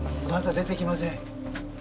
まだ出てきません。